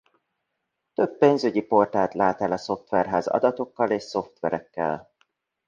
Több pénzügyi portált lát el a szoftver-ház adatokkal és szoftverekkel.